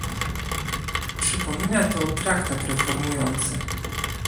Przypomina to traktat reformujący